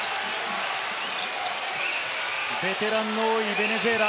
ベテランの多いベネズエラ。